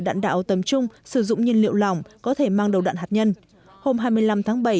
đạn đạo tầm trung sử dụng nhiên liệu lỏng có thể mang đầu đạn hạt nhân hôm hai mươi năm tháng bảy